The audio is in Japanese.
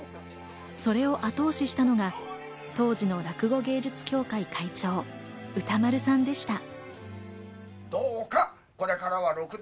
それを後押ししたのが当時の落語芸術協会会長・歌丸さんでした。